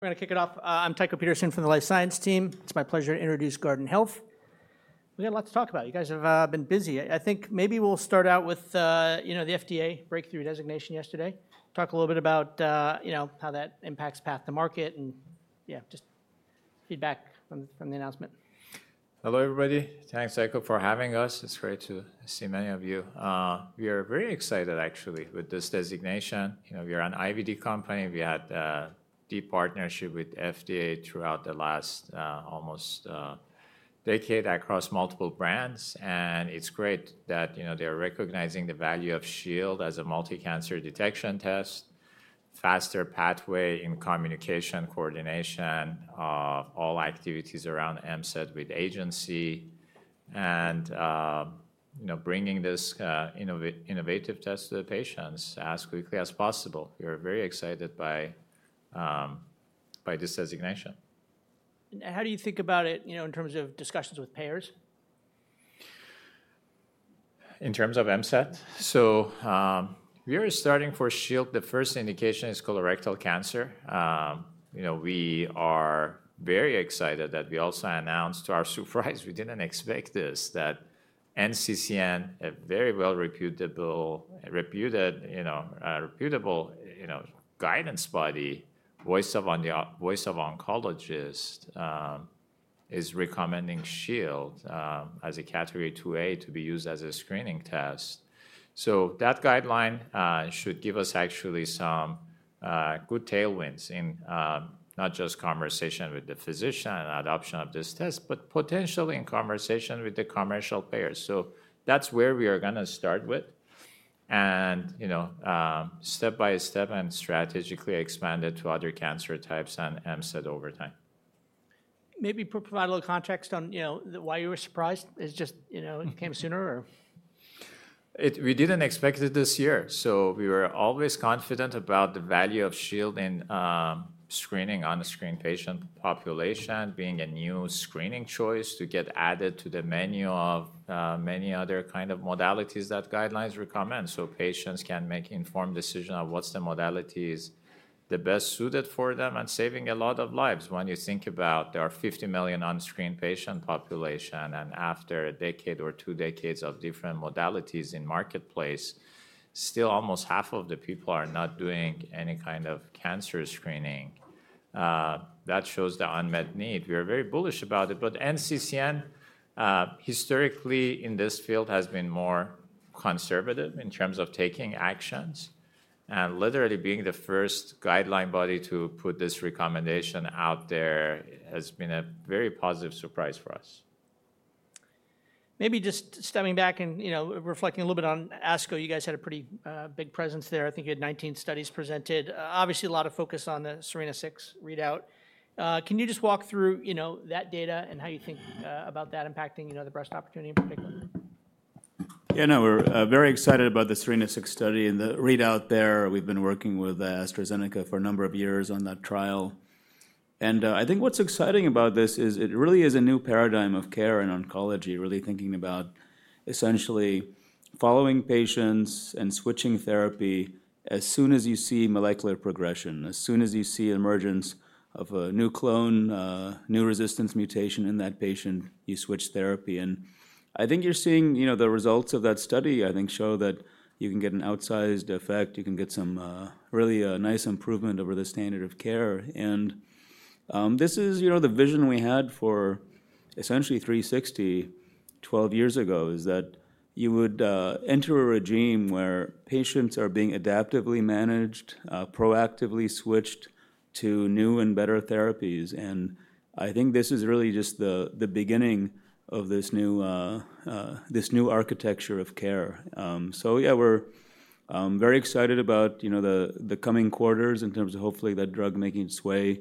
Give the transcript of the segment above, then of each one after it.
We're going to kick it off. I'm Tycho Peterson from the Life Science team. It's my pleasure to introduce Guardant Health. We got a lot to talk about. You guys have been busy. I think maybe we'll start out with the FDA breakthrough designation yesterday. Talk a little bit about how that impacts path to market and just feedback from the announcement. Hello, everybody. Thanks, Tycho, for having us. It's great to see many of you. We are very excited, actually, with this designation. We are an IVD company. We had a deep partnership with the FDA throughout the last almost decade across multiple brands. It is great that they are recognizing the value of Shield as a multi-cancer detection test, faster pathway in communication, coordination, all activities around MCED with agency, and bringing this innovative test to the patients as quickly as possible. We are very excited by this designation. How do you think about it in terms of discussions with payers? In terms of MCED? We are starting for Shield. The first indication is colorectal cancer. We are very excited that we also announced, to our surprise, we did not expect this, that NCCN, a very well-reputable guidance body, Voice of Oncologists, is recommending Shield as a category 2A to be used as a screening test. That guideline should give us actually some good tailwinds in not just conversation with the physician and adoption of this test, but potentially in conversation with the commercial payers. That is where we are going to start with and step-by-step and strategically expand it to other cancer types and MCED over time. Maybe put a little context on why you were surprised. It just came sooner, or? We didn't expect it this year. We were always confident about the value of Shield in screening on a screen patient population, being a new screening choice to get added to the menu of many other kinds of modalities that guidelines recommend. Patients can make informed decisions on what's the modality that is the best suited for them and saving a lot of lives. When you think about there are 50 million unscreened patient population and after a decade or two decades of different modalities in the marketplace, still almost half of the people are not doing any kind of cancer screening. That shows the unmet need. We are very bullish about it. NCCN, historically, in this field, has been more conservative in terms of taking actions. Literally being the first guideline body to put this recommendation out there has been a very positive surprise for us. Maybe just stepping back and reflecting a little bit on ASCO. You guys had a pretty big presence there. I think you had 19 studies presented. Obviously, a lot of focus on the SERENA-6 readout. Can you just walk through that data and how you think about that impacting the breast opportunity in particular? Yeah, no, we're very excited about the SERENA-6 study and the readout there. We've been working with AstraZeneca for a number of years on that trial. I think what's exciting about this is it really is a new paradigm of care in oncology, really thinking about essentially following patients and switching therapy as soon as you see molecular progression, as soon as you see emergence of a new clone, new resistance mutation in that patient, you switch therapy. I think you're seeing the results of that study, I think, show that you can get an outsized effect. You can get some really nice improvement over the standard of care. This is the vision we had for essentially 360, twelve years ago, is that you would enter a regime where patients are being adaptively managed, proactively switched to new and better therapies. I think this is really just the beginning of this new architecture of care. Yeah, we're very excited about the coming quarters in terms of hopefully that drug making its way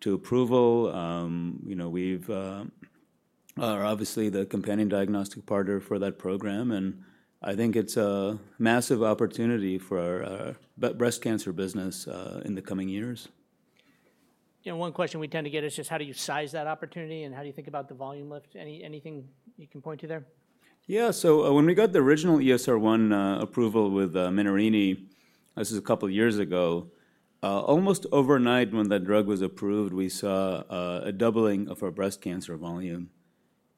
to approval. We are obviously the companion diagnostic partner for that program. I think it's a massive opportunity for our breast cancer business in the coming years. Yeah, one question we tend to get is just how do you size that opportunity and how do you think about the volume lift? Anything you can point to there? Yeah, so when we got the original ESR1 approval with Menarini, this is a couple of years ago, almost overnight when that drug was approved, we saw a doubling of our breast cancer volume.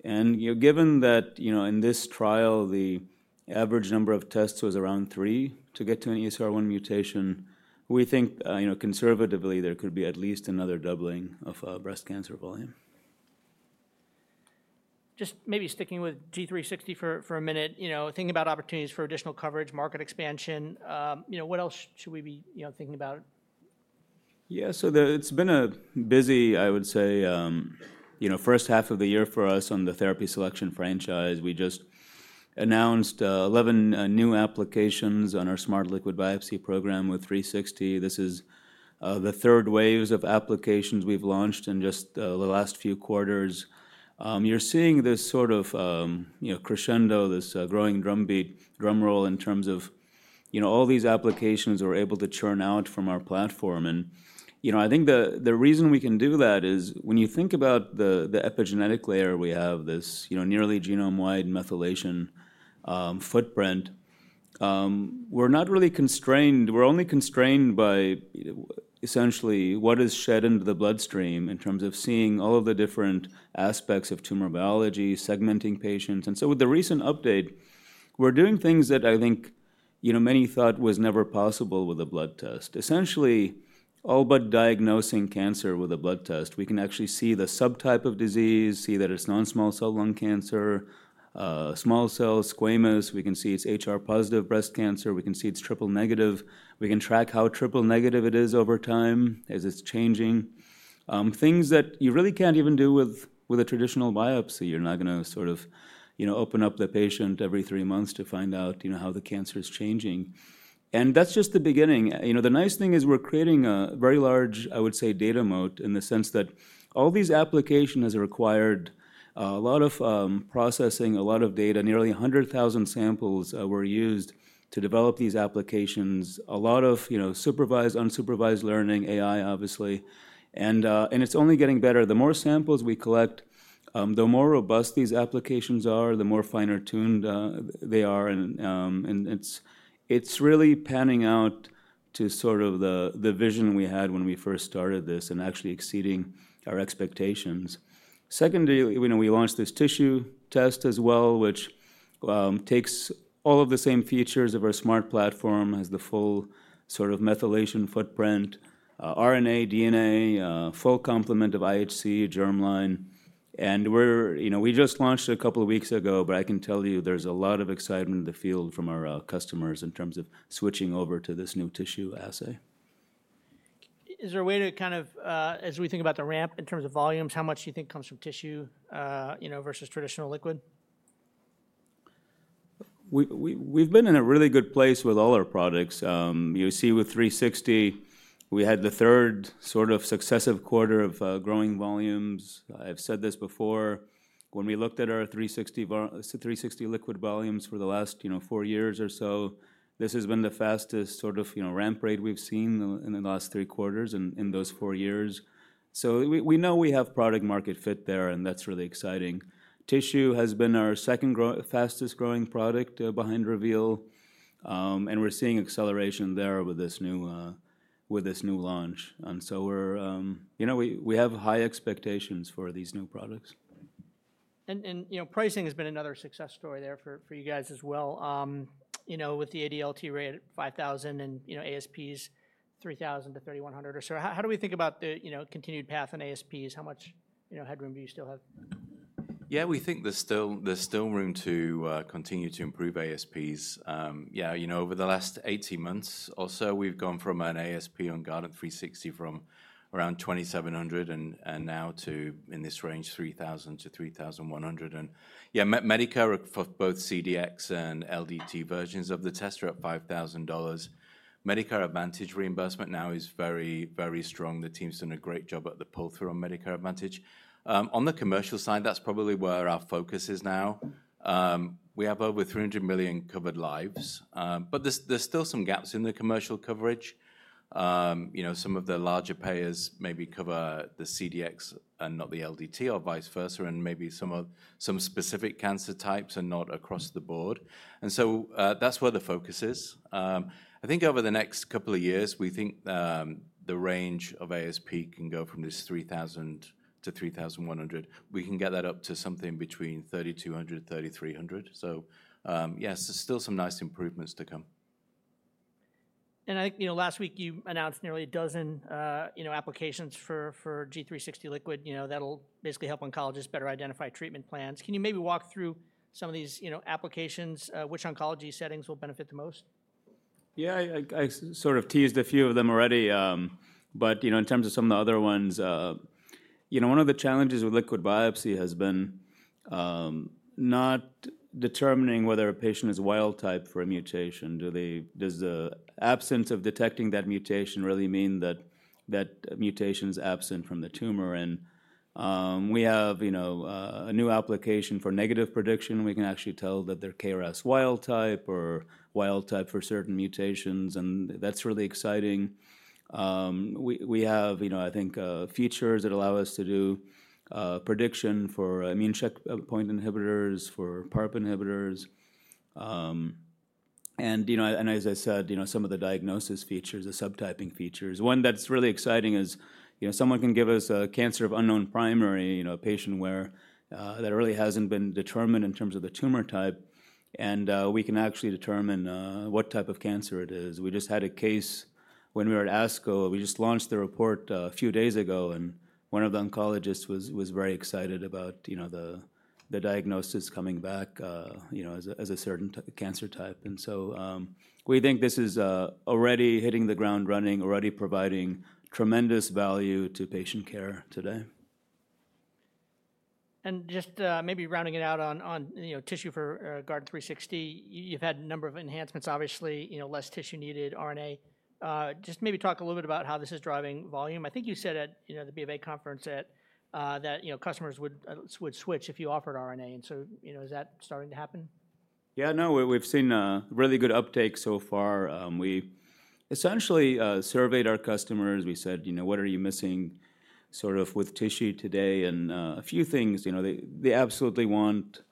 Given that in this trial, the average number of tests was around three to get to an ESR1 mutation, we think conservatively there could be at least another doubling of breast cancer volume. Just maybe sticking with G360 for a minute, thinking about opportunities for additional coverage, market expansion, what else should we be thinking about? Yeah, so it's been a busy, I would say, first half of the year for us on the therapy selection franchise. We just announced 11 new applications on our smart liquid biopsy program with 360. This is the third wave of applications we've launched in just the last few quarters. You're seeing this sort of crescendo, this growing drumbeat, drumroll in terms of all these applications we're able to churn out from our platform. I think the reason we can do that is when you think about the epigenetic layer, we have this nearly genome-wide methylation footprint. We're not really constrained. We're only constrained by essentially what is shed into the bloodstream in terms of seeing all of the different aspects of tumor biology, segmenting patients. With the recent update, we're doing things that I think many thought was never possible with a blood test. Essentially, all but diagnosing cancer with a blood test, we can actually see the subtype of disease, see that it's non-small cell lung cancer, small cell, squamous. We can see it's HR positive breast cancer. We can see it's triple negative. We can track how triple negative it is over time as it's changing. Things that you really can't even do with a traditional biopsy. You're not going to sort of open up the patient every three months to find out how the cancer is changing. That's just the beginning. The nice thing is we're creating a very large, I would say, data moat in the sense that all these applications required a lot of processing, a lot of data. Nearly 100,000 samples were used to develop these applications. A lot of supervised, unsupervised learning, AI, obviously. It's only getting better. The more samples we collect, the more robust these applications are, the more finer tuned they are. It's really panning out to sort of the vision we had when we first started this and actually exceeding our expectations. Secondly, we launched this tissue test as well, which takes all of the same features of our smart platform as the full sort of methylation footprint, RNA, DNA, full complement of IHC, germline. We just launched a couple of weeks ago, but I can tell you there's a lot of excitement in the field from our customers in terms of switching over to this new tissue assay. Is there a way to kind of, as we think about the ramp in terms of volumes, how much do you think comes from tissue versus traditional liquid? We've been in a really good place with all our products. You see with 360, we had the third sort of successive quarter of growing volumes. I've said this before. When we looked at our 360 liquid volumes for the last four years or so, this has been the fastest sort of ramp rate we've seen in the last three quarters in those four years. We know we have product market fit there, and that's really exciting. Tissue has been our second fastest growing product behind Reveal. We're seeing acceleration there with this new launch. We have high expectations for these new products. Pricing has been another success story there for you guys as well with the ADLT rate at $5,000 and ASPs $3,000-$3,100 or so. How do we think about the continued path in ASPs? How much headroom do you still have? Yeah, we think there's still room to continue to improve ASPs. Yeah, over the last 18 months or so, we've gone from an ASP on Guardant 360 from around $2,700 and now to, in this range, $3,000-$3,100. Yeah, Medicare for both CDX and LDT versions of the test are at $5,000. Medicare Advantage reimbursement now is very, very strong. The team's done a great job at the pull-through on Medicare Advantage. On the commercial side, that's probably where our focus is now. We have over 300 million covered lives, but there's still some gaps in the commercial coverage. Some of the larger payers maybe cover the CDX and not the LDT or vice versa, and maybe some specific cancer types are not across the board. That's where the focus is. I think over the next couple of years, we think the range of ASP can go from this $3,000-$3,100. We can get that up to something between $3,200 and $3,300. So yes, there's still some nice improvements to come. Last week, you announced nearly a dozen applications for G360 liquid that'll basically help oncologists better identify treatment plans. Can you maybe walk through some of these applications? Which oncology settings will benefit the most? Yeah, I sort of teased a few of them already. In terms of some of the other ones, one of the challenges with liquid biopsy has been not determining whether a patient is wild type for a mutation. Does the absence of detecting that mutation really mean that that mutation is absent from the tumor? We have a new application for negative prediction. We can actually tell that they're KRAS wild type or wild type for certain mutations. That's really exciting. We have, I think, features that allow us to do prediction for immune checkpoint inhibitors, for PARP inhibitors. As I said, some of the diagnosis features, the subtyping features. One that's really exciting is someone can give us a cancer of unknown primary, a patient where that really hasn't been determined in terms of the tumor type. We can actually determine what type of cancer it is. We just had a case when we were at ASCO. We just launched the report a few days ago. One of the oncologists was very excited about the diagnosis coming back as a certain cancer type. We think this is already hitting the ground running, already providing tremendous value to patient care today. Just maybe rounding it out on tissue for Guardant 360, you've had a number of enhancements, obviously, less tissue needed, RNA. Just maybe talk a little bit about how this is driving volume. I think you said at the BofA conference that customers would switch if you offered RNA. Is that starting to happen? Yeah, no, we've seen a really good uptake so far. We essentially surveyed our customers. We said, what are you missing sort of with tissue today? A few things. They absolutely want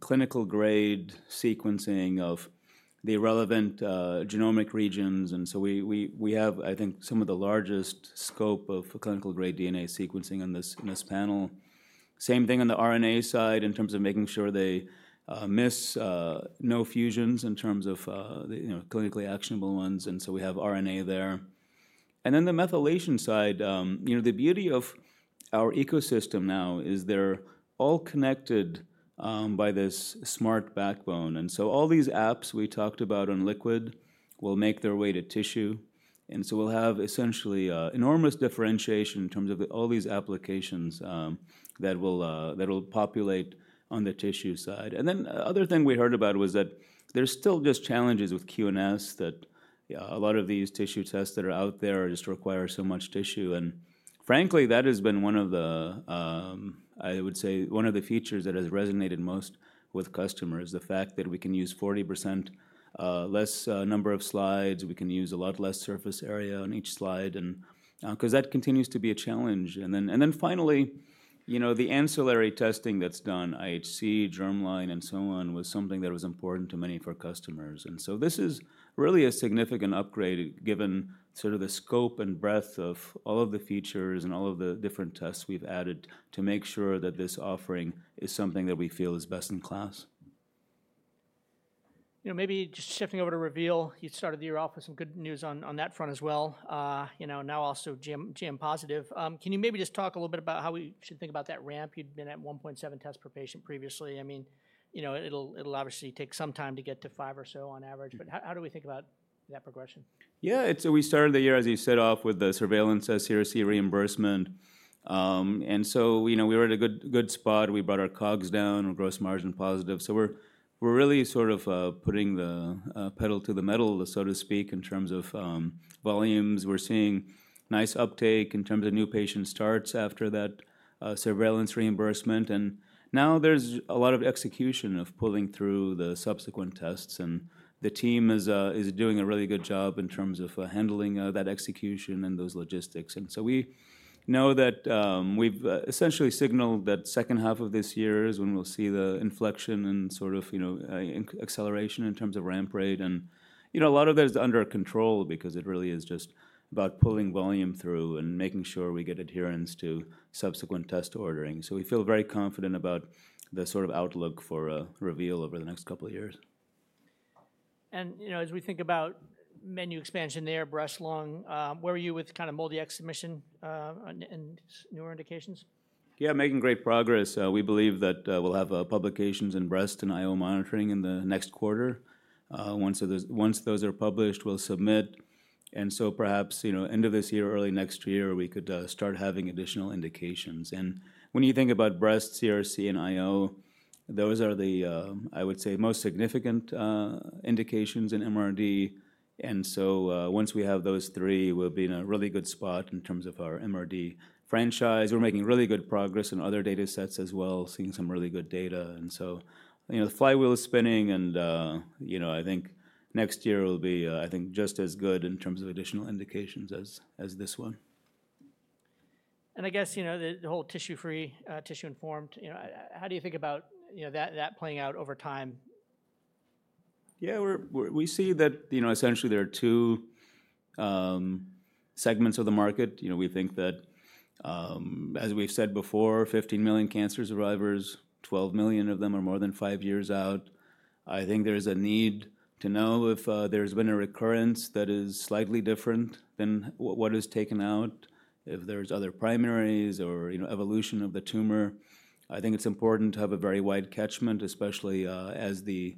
clinical grade sequencing of the relevant genomic regions. We have, I think, some of the largest scope of clinical grade DNA sequencing in this panel. Same thing on the RNA side in terms of making sure they miss no fusions in terms of clinically actionable ones. We have RNA there. On the methylation side, the beauty of our ecosystem now is they're all connected by this smart backbone. All these apps we talked about on liquid will make their way to tissue. We'll have essentially enormous differentiation in terms of all these applications that will populate on the tissue side. The other thing we heard about was that there's still just challenges with QNS, that a lot of these tissue tests that are out there just require so much tissue. Frankly, that has been one of the, I would say, one of the features that has resonated most with customers, the fact that we can use 40% less number of slides. We can use a lot less surface area on each slide because that continues to be a challenge. Finally, the ancillary testing that's done, IHC, germline, and so on, was something that was important to many of our customers. This is really a significant upgrade given sort of the scope and breadth of all of the features and all of the different tests we've added to make sure that this offering is something that we feel is best in class. Maybe just shifting over to Reveal, you started the year off with some good news on that front as well, now also GM positive. Can you maybe just talk a little bit about how we should think about that ramp? You'd been at 1.7 tests per patient previously. I mean, it'll obviously take some time to get to five or so on average. How do we think about that progression? Yeah, so we started the year, as you said, off with the surveillance, a CRC reimbursement. We were at a good spot. We brought our COGS down, our gross margin positive. We're really sort of putting the pedal to the metal, so to speak, in terms of volumes. We're seeing nice uptake in terms of new patient starts after that surveillance reimbursement. Now there's a lot of execution of pulling through the subsequent tests. The team is doing a really good job in terms of handling that execution and those logistics. We know that we've essentially signaled that second half of this year is when we'll see the inflection and sort of acceleration in terms of ramp rate. A lot of that is under control because it really is just about pulling volume through and making sure we get adherence to subsequent test ordering. We feel very confident about the sort of outlook for Reveal over the next couple of years. As we think about menu expansion there, Breast-lung, where are you with kind of MOLDI-X and newer indications? Yeah, making great progress. We believe that we'll have publications in breast and IO monitoring in the next quarter. Once those are published, we'll submit. Perhaps end of this year, early next year, we could start having additional indications. When you think about breast, CRC, and IO, those are the, I would say, most significant indications in MRD. Once we have those three, we'll be in a really good spot in terms of our MRD franchise. We're making really good progress in other data sets as well, seeing some really good data. The flywheel is spinning. I think next year will be, I think, just as good in terms of additional indications as this one. I guess the whole tissue-free, tissue-informed, how do you think about that playing out over time? Yeah, we see that essentially there are two segments of the market. We think that, as we've said before, 15 million cancers arrive, 12 million of them are more than five years out. I think there is a need to know if there has been a recurrence that is slightly different than what is taken out, if there's other primaries or evolution of the tumor. I think it's important to have a very wide catchment, especially as the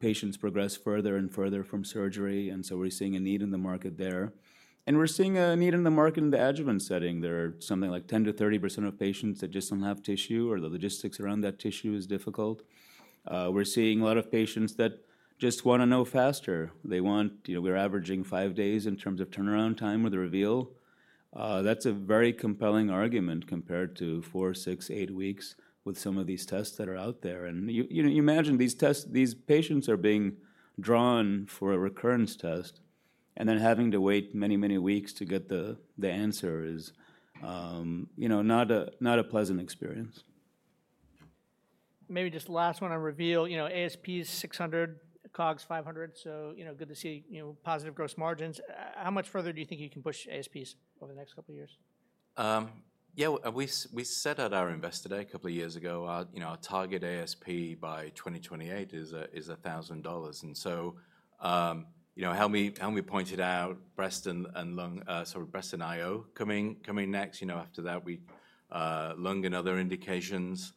patients progress further and further from surgery. We are seeing a need in the market there. We are seeing a need in the market in the adjuvant setting. There are something like 10%-30% of patients that just do not have tissue or the logistics around that tissue is difficult. We are seeing a lot of patients that just want to know faster. They want we're averaging five days in terms of turnaround time with the Reveal. That's a very compelling argument compared to four, six, eight weeks with some of these tests that are out there. You imagine these patients are being drawn for a recurrence test and then having to wait many, many weeks to get the answer is not a pleasant experience. Maybe just last one on Reveal, ASPs $600, COGS $500. So good to see positive gross margins. How much further do you think you can push ASPs over the next couple of years? Yeah, we set out our invested a couple of years ago. Our target ASP by 2028 is $1,000. Helmy pointed out Breast and IO coming next. After that, Lung and other indications.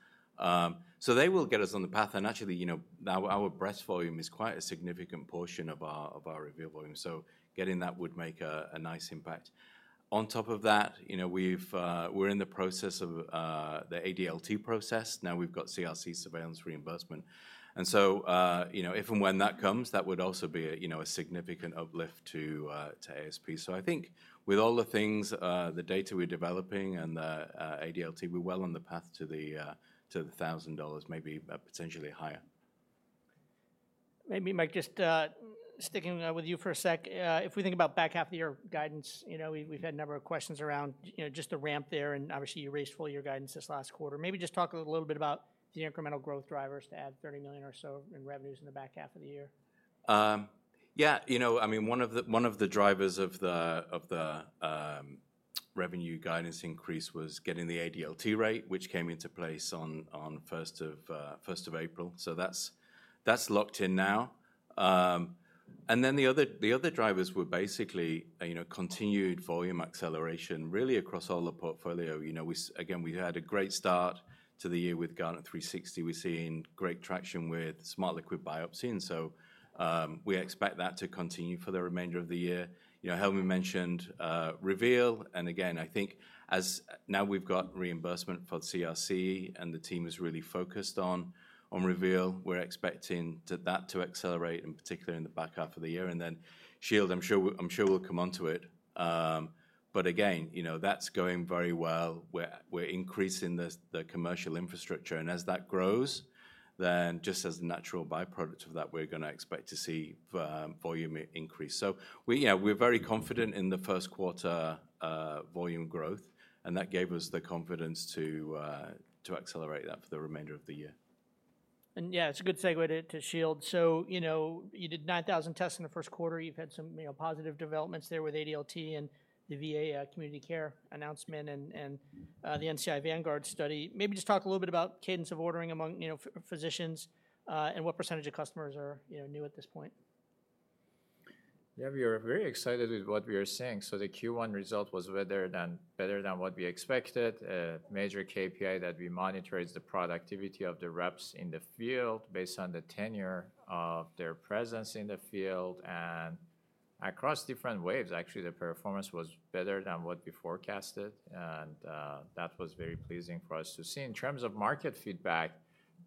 They will get us on the path. Actually, our breast volume is quite a significant portion of our Reveal volume. Getting that would make a nice impact. On top of that, we're in the process of the ADLT process. Now we've got CRC surveillance reimbursement. If and when that comes, that would also be a significant uplift to ASP. I think with all the things, the data we're developing and the ADLT, we're well on the path to the $1,000, maybe potentially higher. Maybe Mike, just sticking with you for a sec, if we think about back half of the year guidance, we've had a number of questions around just the ramp there. Obviously, you raised full year guidance this last quarter. Maybe just talk a little bit about the incremental growth drivers to add $30 million or so in revenues in the back half of the year. Yeah, I mean, one of the drivers of the revenue guidance increase was getting the ADLT rate, which came into place on 1st of April. That is locked in now. The other drivers were basically continued volume acceleration really across all the portfolio. Again, we had a great start to the year with Guardant 360. We're seeing great traction with smart liquid biopsy. I mean, we expect that to continue for the remainder of the year. Helmy mentioned Reveal. Again, I think as now we've got reimbursement for CRC and the team is really focused on Reveal, we're expecting that to accelerate, in particular in the back half of the year. Shield, I'm sure we'll come on to it. That is going very well. We're increasing the commercial infrastructure. As that grows, just as a natural byproduct of that, we're going to expect to see volume increase. We're very confident in the first quarter volume growth. That gave us the confidence to accelerate that for the remainder of the year. Yeah, it's a good segue to Shield. You did 9,000 tests in the first quarter. You've had some positive developments there with ADLT and the VA community care announcement and the NCI Vanguard study. Maybe just talk a little bit about cadence of ordering among physicians and what percentage of customers are new at this point. Yeah, we are very excited with what we are seeing. The Q1 result was better than what we expected. A major KPI that we monitor is the productivity of the reps in the field based on the tenure of their presence in the field. Across different waves, actually, the performance was better than what we forecasted. That was very pleasing for us to see. In terms of market feedback,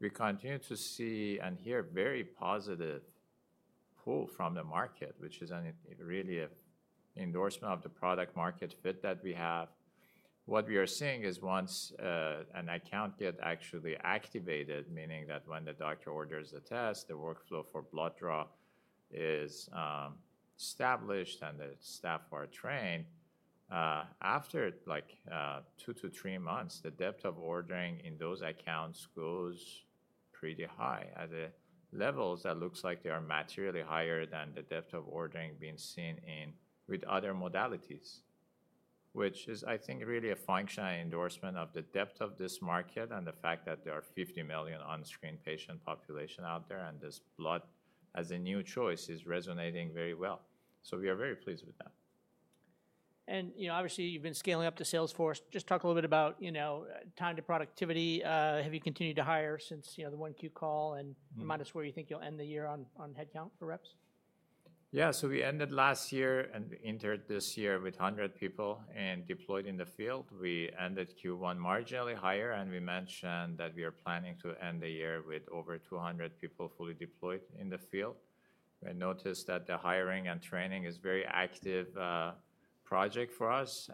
we continue to see and hear very positive pull from the market, which is really an endorsement of the product-market fit that we have. What we are seeing is once an account gets actually activated, meaning that when the doctor orders the test, the workflow for blood draw is established and the staff are trained, after two to three months, the depth of ordering in those accounts goes pretty high at a level that looks like they are materially higher than the depth of ordering being seen with other modalities, which is, I think, really a functional endorsement of the depth of this market and the fact that there are 50 million unscreened patient population out there. This blood as a new choice is resonating very well. We are very pleased with that. Obviously, you've been scaling up the Salesforce. Just talk a little bit about time to productivity. Have you continued to hire since the 1Q call? And remind us where you think you'll end the year on headcount for reps? Yeah, so we ended last year and entered this year with 100 people and deployed in the field. We ended Q1 marginally higher. We mentioned that we are planning to end the year with over 200 people fully deployed in the field. We noticed that the hiring and training is a very active project for us.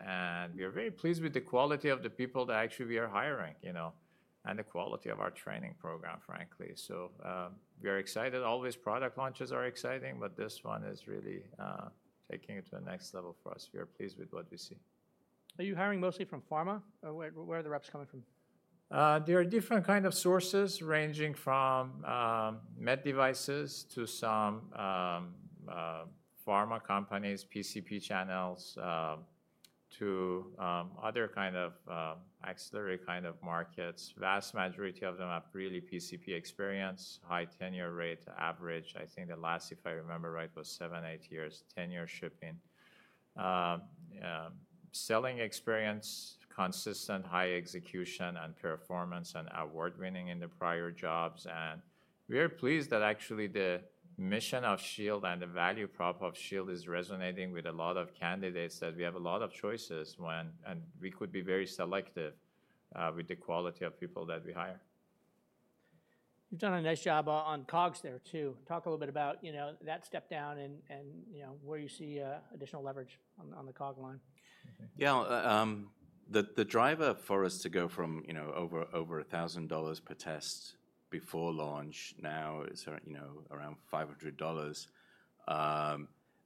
We are very pleased with the quality of the people that actually we are hiring and the quality of our training program, frankly. We are excited. Always product launches are exciting, but this one is really taking it to the next level for us. We are pleased with what we see. Are you hiring mostly from pharma? Where are the reps coming from? There are different kinds of sources ranging from med devices to some pharma companies, PCP channels to other kinds of auxiliary kinds of markets. Vast majority of them have really PCP experience, high tenure rate average. I think the last, if I remember right, was seven, eight years, tenure shipping. Selling experience, consistent high execution and performance and award-winning in the prior jobs. We are pleased that actually the mission of Shield and the value prop of Shield is resonating with a lot of candidates that we have a lot of choices when and we could be very selective with the quality of people that we hire. You've done a nice job on COGS there too. Talk a little bit about that step down and where you see additional leverage on the COG line. Yeah, the driver for us to go from over $1,000 per test before launch now is around $500.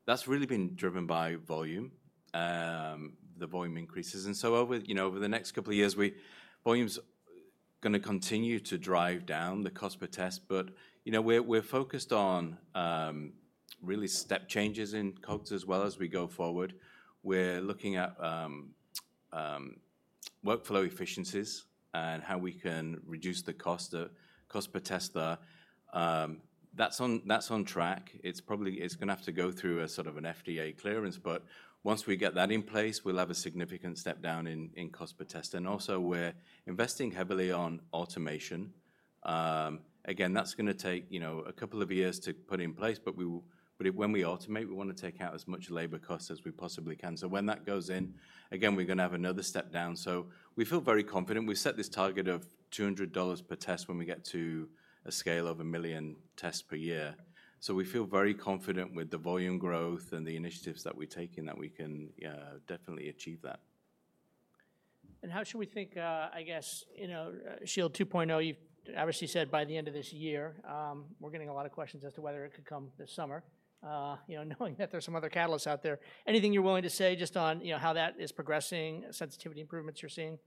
That's really been driven by volume, the volume increases. Over the next couple of years, volume's going to continue to drive down the cost per test. We're focused on really step changes in COGS as well as we go forward. We're looking at workflow efficiencies and how we can reduce the cost per test there. That's on track. It's going to have to go through a sort of an FDA clearance. Once we get that in place, we'll have a significant step down in cost per test. Also, we're investing heavily on automation. Again, that's going to take a couple of years to put in place. When we automate, we want to take out as much labor cost as we possibly can. When that goes in, again, we're going to have another step down. We feel very confident. We set this target of $200 per test when we get to a scale of a million tests per year. We feel very confident with the volume growth and the initiatives that we're taking that we can definitely achieve that. How should we think, I guess, Shield 2.0? You've obviously said by the end of this year, we're getting a lot of questions as to whether it could come this summer, knowing that there's some other catalysts out there. Anything you're willing to say just on how that is progressing, sensitivity improvements you're seeing?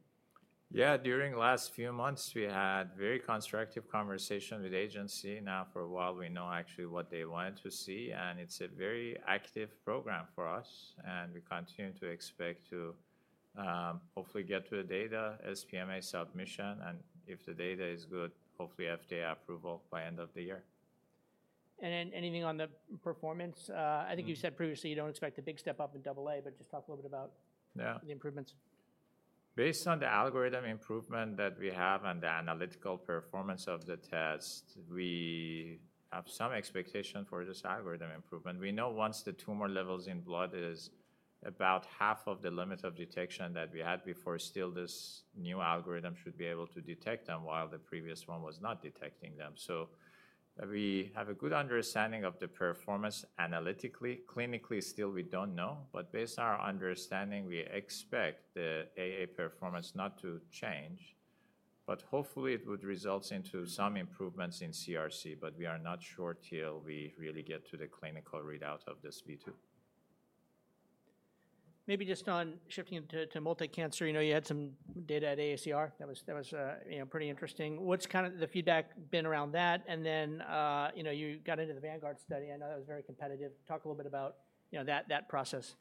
Yeah, during the last few months, we had very constructive conversations with the agency. Now for a while, we know actually what they want to see. It is a very active program for us. We continue to expect to hopefully get to the data as PMA submission. If the data is good, hopefully FDA approval by end of the year. Anything on the performance? I think you said previously you don't expect a big step up in AA, but just talk a little bit about the improvements? Based on the algorithm improvement that we have and the analytical performance of the test, we have some expectation for this algorithm improvement. We know once the tumor levels in blood is about half of the limit of detection that we had before, still this new algorithm should be able to detect them while the previous one was not detecting them. So we have a good understanding of the performance analytically. Clinically, still we don't know. But based on our understanding, we expect the AA performance not to change. But hopefully, it would result in some improvements in CRC. But we are not sure till we really get to the clinical readout of this V2. Maybe just on shifting to multicancer, you had some data at AACR. That was pretty interesting. What's kind of the feedback been around that? You got into the Vanguard study. I know that was very competitive. Talk a little bit about that process.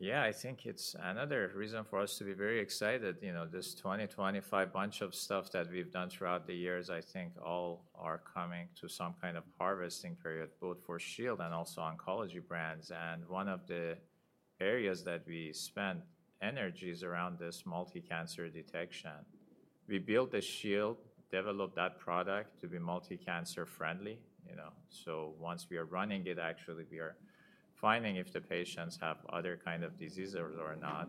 Yeah, I think it's another reason for us to be very excited. This 2025 bunch of stuff that we've done throughout the years, I think all are coming to some kind of harvesting period, both for Shield and also oncology brands. One of the areas that we spent energies around is this multicancer detection. We built the Shield, developed that product to be multicancer friendly. Once we are running it, actually, we are finding if the patients have other kinds of diseases or not.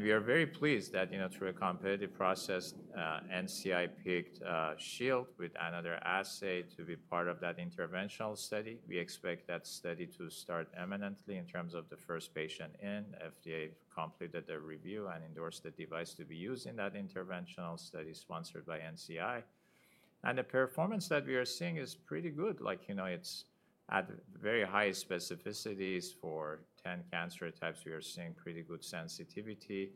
We are very pleased that through a competitive process, NCI picked Shield with another assay to be part of that interventional study. We expect that study to start imminently in terms of the first patient in. FDA completed the review and endorsed the device to be used in that interventional study sponsored by NCI. The performance that we are seeing is pretty good. It's at very high specificities for 10 cancer types. We are seeing pretty good sensitivity,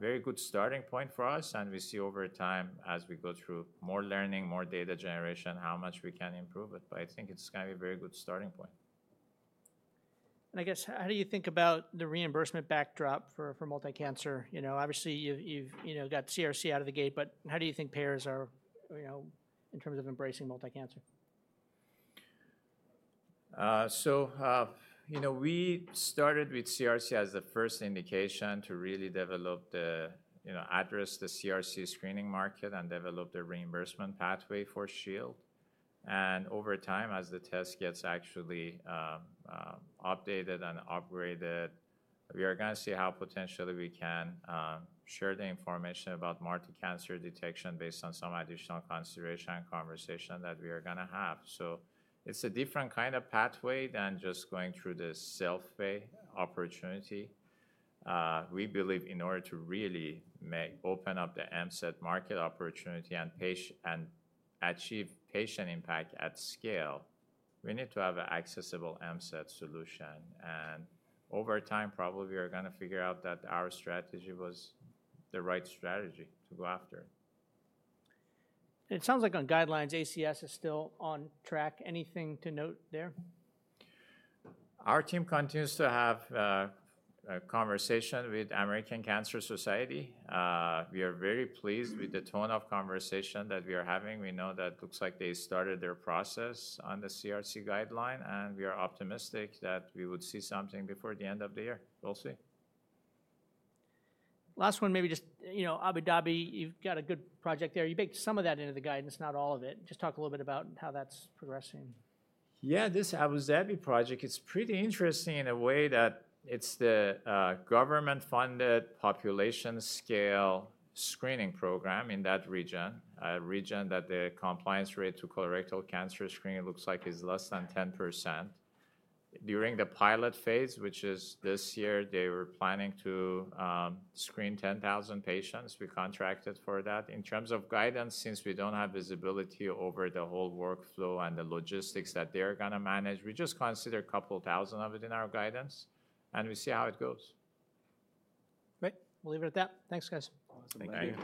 very good starting point for us. We see over time, as we go through more learning, more data generation, how much we can improve it. I think it's going to be a very good starting point. I guess, how do you think about the reimbursement backdrop for multicancer? Obviously, you've got CRC out of the gate. How do you think payers are in terms of embracing multicancer? We started with CRC as the first indication to really address the CRC screening market and develop the reimbursement pathway for Shield. Over time, as the test gets actually updated and upgraded, we are going to see how potentially we can share the information about multicancer detection based on some additional consideration and conversation that we are going to have. It is a different kind of pathway than just going through the sales way opportunity. We believe in order to really open up the MCED market opportunity and achieve patient impact at scale, we need to have an accessible MCED solution. Over time, probably we are going to figure out that our strategy was the right strategy to go after. It sounds like on guidelines, ACS is still on track. Anything to note there? Our team continues to have a conversation with American Cancer Society. We are very pleased with the tone of conversation that we are having. We know that looks like they started their process on the CRC guideline. We are optimistic that we would see something before the end of the year. We'll see. Last one, maybe just Abu Dhabi. You have got a good project there. You baked some of that into the guidance, not all of it. Just talk a little bit about how that is progressing. Yeah, this Abu Dhabi project, it's pretty interesting in a way that it's the government-funded population scale screening program in that region, a region that the compliance rate to colorectal cancer screening, it looks like, is less than 10%. During the pilot phase, which is this year, they were planning to screen 10,000 patients. We contracted for that. In terms of guidance, since we don't have visibility over the whole workflow and the logistics that they are going to manage, we just consider a couple thousand of it in our guidance. We see how it goes. Great. We'll leave it at that. Thanks, guys. Thank you.